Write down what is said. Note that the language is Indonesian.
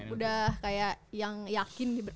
udah kayak yang yakin